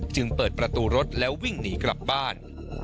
จึงเปิดประตูรถแล้ววิ่งหนีกลับบ้าน